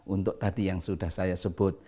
untuk tadi yang sudah saya sebut